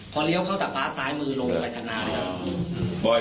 พอเลี้ยวเข้าตากฟ้าซ้ายมือลงไปกาดนานเลย